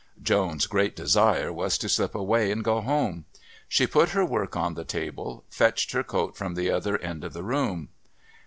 Joan's great desire was to slip away and go home. She put her work on the table, fetched her coat from the other end of the room.